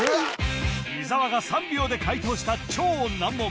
伊沢が３秒で解答した超難問